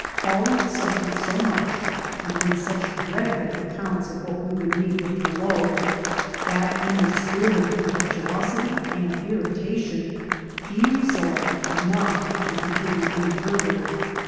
Pawling suffered so much, and heard such dreadful accounts of what we would meet, with below, that, in a spirit of impetuosity and irritation, he resolved not to continue any farther.